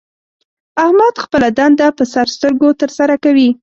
احمد خپله دنده په سر سترګو تر سره کوي.